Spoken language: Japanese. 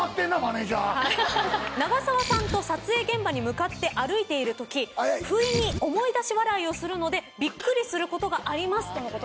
長澤さんと撮影現場に向かって歩いているとき不意に思い出し笑いをするのでびっくりすることがありますとのことでした。